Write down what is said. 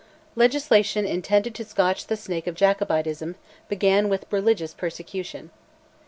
Legislation, intended to scotch the snake of Jacobitism, began with religious persecution.